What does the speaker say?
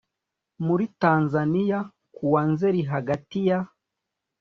muri tanzaniya ku wa nzeri hagati ya